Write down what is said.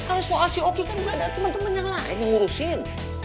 kalau soal si oki kan udah ada temen temen yang lain yang ngurusin